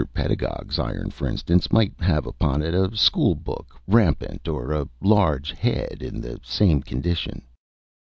Pedagog's iron, for instance, might have upon it a school book rampant, or a large head in the same condition.